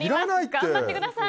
頑張ってください。